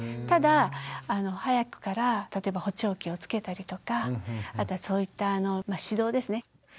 ただ早くから例えば補聴器をつけたりとかそういった指導ですね。